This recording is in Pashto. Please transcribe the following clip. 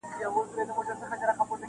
ټولو وویل چي ته الوتای نه سې-